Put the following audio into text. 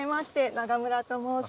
永村と申します。